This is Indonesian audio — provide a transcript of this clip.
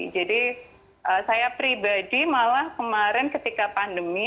jadi saya pribadi malah kemarin ketika pandemi